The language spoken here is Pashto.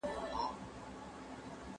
بشري حقونه بايد په هره ټولنه کي وساتل سي.